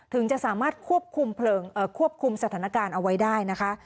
ถึงจะสามารถควบคุมสถานการณ์เอาไว้ได้นะคะ